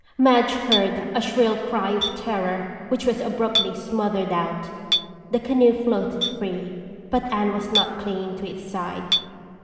Madge heard a shrill cry of terror which was abruptly smothered out. The canoe floated free but Anne was not clinging to its side.